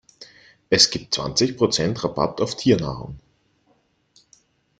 Es gibt zwanzig Prozent Rabatt auf Tiernahrung.